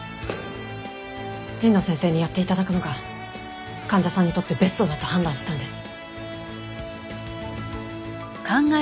神野先生にやって頂くのが患者さんにとってベストだと判断したんです。